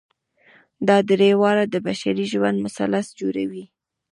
دا درې واړه د بشري ژوند مثلث جوړوي.